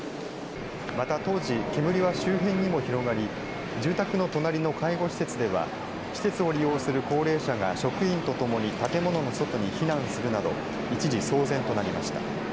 また当時、煙は周辺にも広がり住宅の隣の介護施設では施設を利用する高齢者が職員と共に建物の外に避難するなど一時騒然となりました。